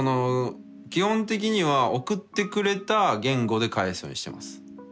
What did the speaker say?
基本的には送ってくれた言語で返すようにしてます。